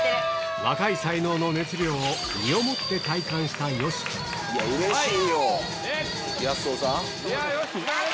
若い才能の熱量を身をもって体感したＹＯＳＨＩＫＩうれしいよやすおさん。